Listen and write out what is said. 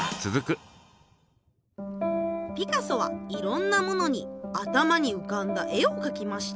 ピカソはいろんなものに頭にうかんだ絵をかきました。